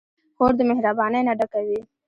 خور د مهربانۍ نه ډکه وي.